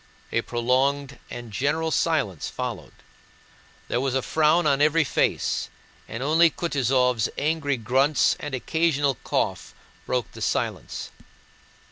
A prolonged and general silence followed. There was a frown on every face and only Kutúzov's angry grunts and occasional cough broke the silence.